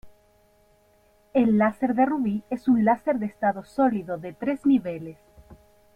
El láser de rubí es un láser de estado sólido de tres niveles.